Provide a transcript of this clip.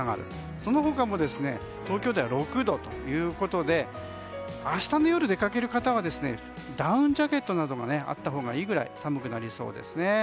その他も東京では６度ということで明日の夜、出かける方はダウンジャケットなどがあったほうがいいぐらい寒くなりそうです。